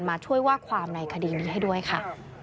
มาช่วยว่าความในคดีนี้ให้ด้วยค่ะ